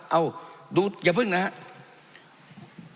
เอ้าอย่าเพิ่งนะครับ